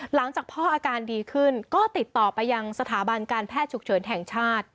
หลังจากพ่ออาการดีขึ้นก็ติดต่อไปยังสถาบันการแพทย์ฉุกเฉินแห่งชาติ